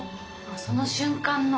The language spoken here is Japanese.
その瞬間の。